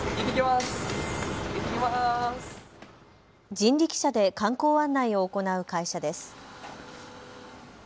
人力車で観光案内を行う会社です。